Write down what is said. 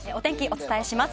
お伝えします。